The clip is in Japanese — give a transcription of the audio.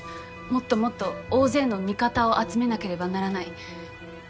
もっともっと大勢の味方を集めなければならない。